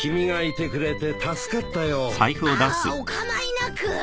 あっお構いなく。